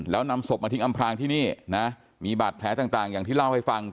แล้วนำศพมาทิ้งอำพลางที่นี่นะมีบาดแผลต่างอย่างที่เล่าให้ฟัง